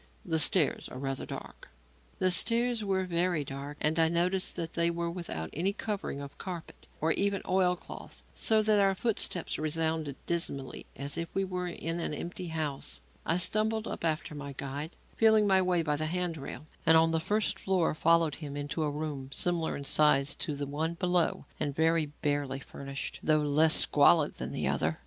The stairs are rather dark." The stairs were very dark, and I noticed that they were without any covering of carpet, or even oil cloth, so that our footsteps resounded dismally as if we were in an empty house. I stumbled up after my guide, feeling my way by the hand rail, and on the first floor followed him into a room similar in size to the one below and very barely furnished, though less squalid than the other.